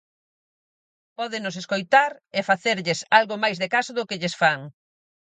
Pódenos escoitar e facerlles algo máis de caso do que lles fan.